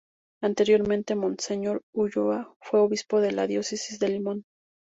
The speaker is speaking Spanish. Anteriormente Monseñor Ulloa fue Obispo de la Diócesis de Limón.